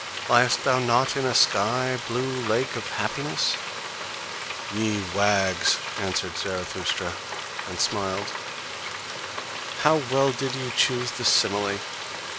Liest thou not in a sky blue lake of happiness?" "Ye wags," answered Zarathustra, and smiled, "how well did ye choose the simile!